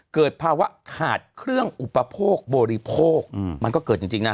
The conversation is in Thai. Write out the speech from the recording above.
เกิดภาวะขาดเครื่องอุปโภคบริโภคมันก็เกิดจริงนะฮะ